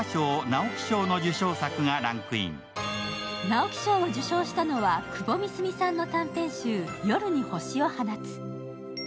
直木賞を受賞したのは、窪美澄さんの短編集「夜に星を放つ」。